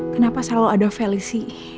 kenapa selalu ada felis sih